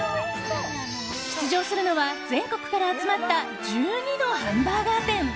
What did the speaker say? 出場するのは全国から集まった１２のハンバーガー店。